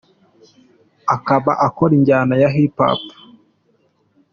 Akaba akora injyana ya Hip hop.